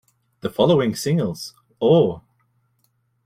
The following singles, Ooh!